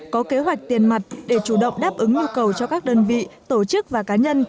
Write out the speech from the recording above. có kế hoạch tiền mặt để chủ động đáp ứng nhu cầu cho các đơn vị tổ chức và cá nhân